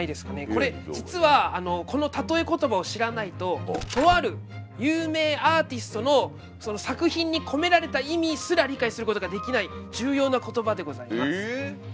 これ実はこのたとえコトバを知らないととある有名アーティストの作品に込められた意味すら理解することができない重要なコトバでございます。